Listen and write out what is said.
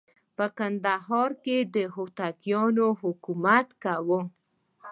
په کندهار کې هوتکیانو حکومت کاوه.